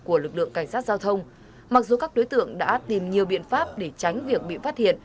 cảnh sát giao thông mặc dù các đối tượng đã tìm nhiều biện pháp để tránh việc bị phát hiện